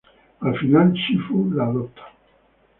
Al final, Shifu la adopta.